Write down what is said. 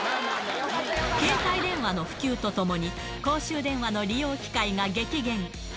携帯電話の普及とともに、公衆電話の利用機会が激減。